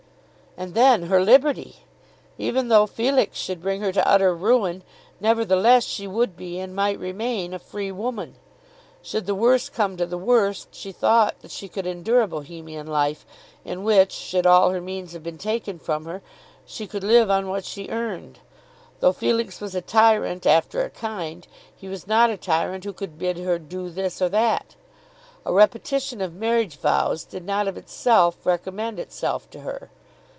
And then her liberty! Even though Felix should bring her to utter ruin, nevertheless she would be and might remain a free woman. Should the worse come to the worst she thought that she could endure a Bohemian life in which, should all her means have been taken from her, she could live on what she earned. Though Felix was a tyrant after a kind, he was not a tyrant who could bid her do this or that. A repetition of marriage vows did not of itself recommend itself to her.